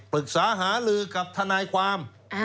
ปรึกษาหาลือกับทนายความ